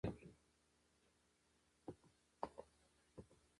ازادي راډیو د د انتخاباتو بهیر پر وړاندې د حل لارې وړاندې کړي.